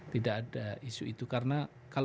tidak ada isu itu karena